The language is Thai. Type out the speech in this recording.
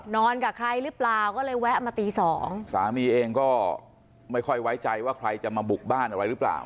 นอนกับใครหรือเปล่าก็เลยแวะมาตีสองสามีเองก็ไม่ค่อยไว้ใจว่าใครจะมาบุกบ้านอะไรหรือเปล่า